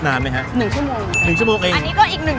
ถ้าใส่เราจะแฝนตรงกลางตรงกลางใส่อย่างนี้ค่ะ